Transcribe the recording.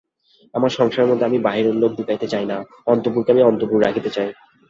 আমার সংসারের মধ্যে আমি বাহিরের লোক ঢুকাইতে চাই না–অন্তঃপুরকে আমি অন্তঃপুর রাখিতে চাই।